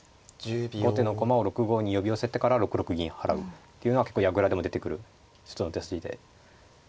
後手の駒を６五に呼び寄せてから６六銀を払うっていうのは結構矢倉でも出てくる一つの手筋で。